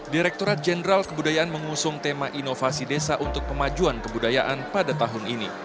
direkturat jenderal kebudayaan mengusung tema inovasi desa untuk pemajuan kebudayaan pada tahun ini